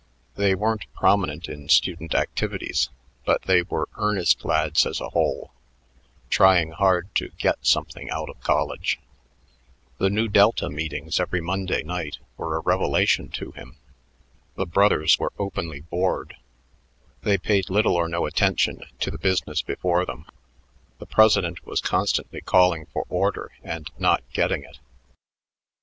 They weren't prominent in student activities, but they were earnest lads as a whole, trying hard to get something out of college. The Nu Delta meetings every Monday night were a revelation to him. The brothers were openly bored; they paid little or no attention to the business before them. The president was constantly calling for order and not getting it.